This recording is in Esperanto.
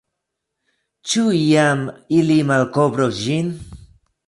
Ĉu iam ili malkovros ĝin?